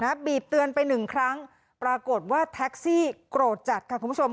บีบเตือนไปหนึ่งครั้งปรากฏว่าแท็กซี่โกรธจัดค่ะคุณผู้ชม